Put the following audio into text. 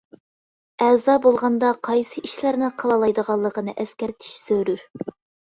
ئەزا بولغاندا قايسى ئىشلارنى قىلالايدىغانلىقنى ئەسكەرتىش زۆرۈر.